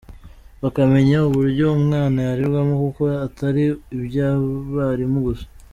bakamenya uburyo umwana yarerwamo kuko atari iby’abarimu gusa.